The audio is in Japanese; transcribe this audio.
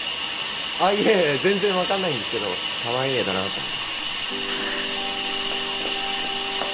あっいえいえ全然分かんないんですけどカワイイ絵だなと思って。